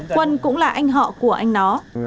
quân cũng là anh họ của anh nó